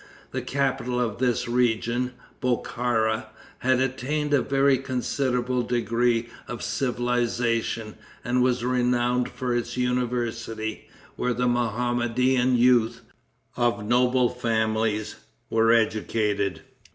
The capital of this region, Bokhara, had attained a very considerable degree of civilization, and was renowned for its university, where the Mohammedan youth, of noble families, were educated.